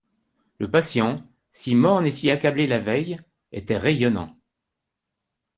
Le patient, si morne et si accablé la veille, était rayonnant.